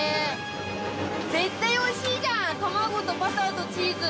絶対おいしいじゃん卵とバターとチーズ。